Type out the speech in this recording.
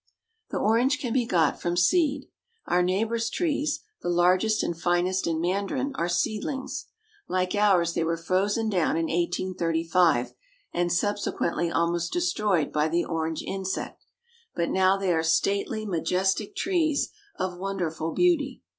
The orange can be got from seed. Our neighbor's trees, the largest and finest in Mandarin, are seedlings. Like ours, they were frozen down in 1835, and subsequently almost destroyed by the orange insect; but now they are stately, majestic trees of wonderful beauty.